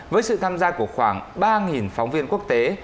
với sự tham gia của khoảng ba phóng viên quốc tế